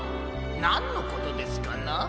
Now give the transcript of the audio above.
なんのことですかな？